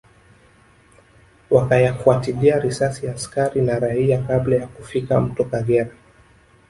Wakawafyatulia risasi askari na raia kabla ya kufika Mto Kagera